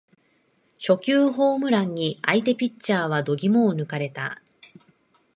初球ホームランに相手ピッチャーは度肝を抜かれた